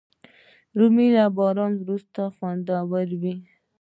رومیان له باران وروسته خوندور وي